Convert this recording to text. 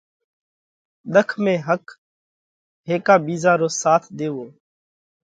ۮک ۾ ۿک ۾ هيڪا ٻِيزا رو ساٿ ۮيوو۔